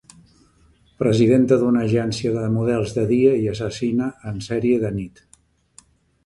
Presidenta d'una agència de models de dia i assassina en sèrie de nit.